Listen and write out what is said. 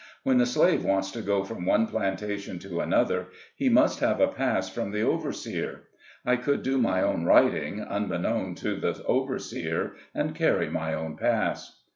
When the slave wants to go from one plantation to another, he must have a pass from the overseer. I could do my own writing, unbe known to the overseer, and carry my own pass.